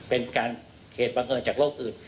เป็นการเหตุบังเอิญจากโรคอื่น